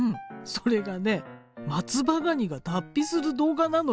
それがね松葉ガニが脱皮する動画なのよ。